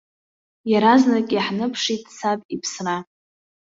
Иаразнак иаҳныԥшит саб иԥсра.